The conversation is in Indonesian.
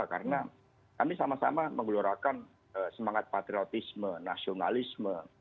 karena kami sama sama menggelorakan semangat patriotisme nasionalisme